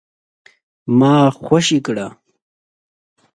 ما خوشي کړه ؟